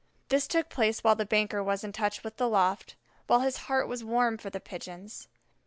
This took place while the banker was in touch with the loft, while his heart was warm for the Pigeons.